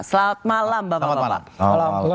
selamat malam bapak bapak